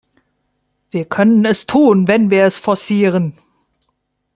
Wir können es tun, wenn wir es forcieren.